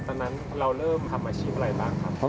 ตอนนั้นเราเริ่มทำอาชีพอะไรบ้างครับ